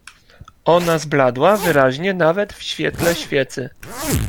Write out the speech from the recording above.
Ona zbladła, wyraźnie, nawet w świetle świecy.